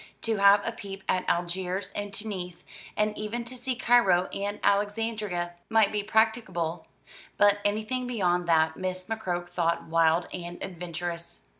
To have a peep at Algiers and Tunis, and even to see Cairo and Alexandria, might be practicable; but anything beyond that Miss McCroke thought wild and adventurous.